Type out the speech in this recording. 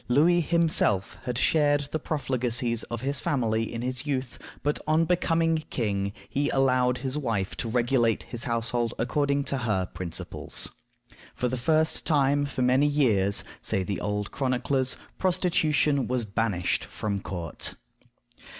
Louis himself had shared the profligacies of his family in his youth, but, on becoming king, he allowed his wife to regulate his household according to her principles. For the first time for many years, say the old chroniclers, prostitution was banished from court.